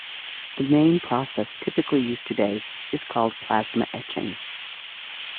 The main process typically used today is called plasma etching.